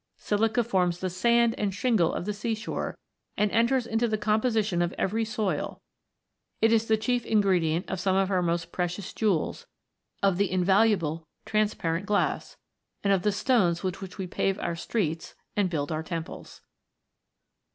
Silica forms the sand and shingle of the sea shore, and enters into the composition of every soil ; it is the chief ingredient of some of our most precious jewels ; of the invaluable transparent glass ; and of the stones with which we pave our streets and build our temples.